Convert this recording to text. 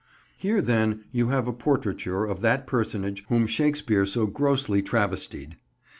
Here, then, you have a portraiture of that personage whom Shakespeare so grossly travestied.